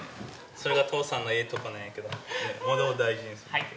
それが父さんのええとこなんやけど物を大事にする。